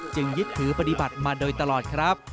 ยึดถือปฏิบัติมาโดยตลอดครับ